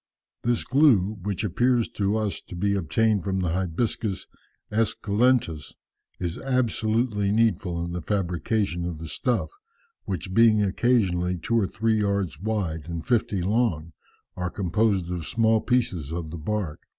"This glue, which appears to us to be obtained from the 'Hibiscus Esculentus,' is absolutely needful in the fabrication of the stuff, which being occasionally two or three yards wide and fifty long, are composed of small pieces of the bark.